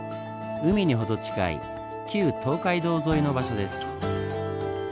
海に程近い旧東海道沿いの場所です。